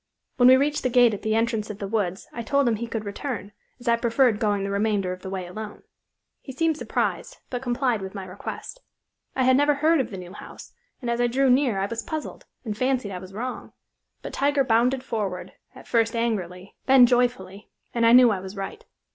When we reached the gate at the entrance of the woods I told him he could return, as I preferred going the remainder of the way alone. He seemed surprised, but complied with my request. I had never heard of the new house, and as I drew near I was puzzled, and fancied I was wrong; but Tiger bounded forward, at first angrily, then joyfully, and I knew I was right.